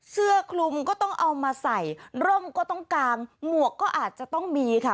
เสื้อคลุมก็ต้องเอามาใส่ร่มก็ต้องกางหมวกก็อาจจะต้องมีค่ะ